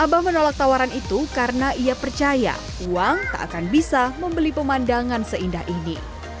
abah menolak tawaran itu karena ia percaya uang tak akan bisa membeli pemandangan seindah ini